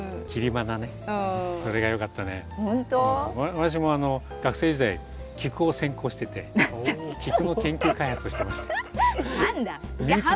私も学生時代キクを専攻しててキクの研究開発をしてました。